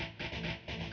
aku mau ke rumah